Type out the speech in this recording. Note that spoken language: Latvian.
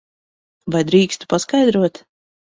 Vai drīkstu paskaidrot?